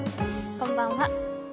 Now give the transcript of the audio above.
こんばんは。